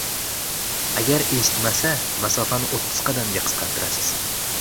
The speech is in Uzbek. Agar eshitmasa, masofani oʻttiz qadamga qisqartirasiz